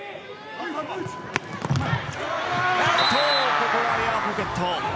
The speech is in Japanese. ここはエアポケット。